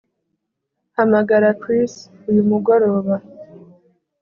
Hamagara Chris uyu mugoroba